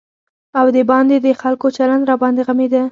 او د باندې د خلکو چلند راباندې غمېده.